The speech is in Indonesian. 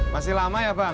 masih lama ya bang